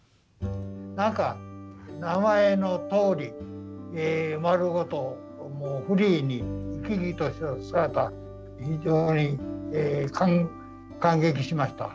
何か名前のとおり丸ごともうフリーに生き生きとした姿非常に感激しました。